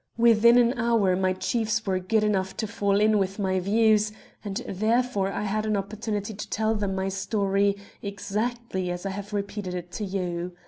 Within an hour my chiefs were good enough to fall in with my views, and therefore I had an opportunity to tell them my story exactly as I have repeated it to you.